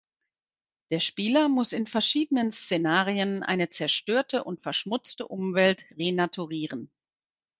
Der Spieler muss in verschiedenen Szenarien eine zerstörte und verschmutzte Umwelt renaturieren.